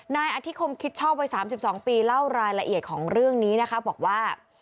นายอธิคมคิดชอบวัย๓๒ปีเล่ารายละเอียดของเรื่องนี้นะคะบอกว่า